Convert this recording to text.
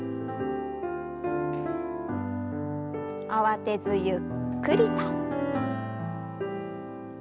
慌てずゆっくりと。